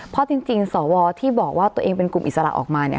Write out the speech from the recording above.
เพราะจริงสวที่บอกว่าตัวเองเป็นกลุ่มอิสระออกมาเนี่ย